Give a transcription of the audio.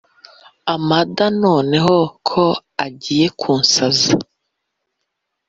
amanda noneho ko agiye kunsaza,